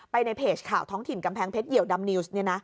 ในเพจข่าวท้องถิ่นกำแพงเพชรเหี่ยวดำนิวส์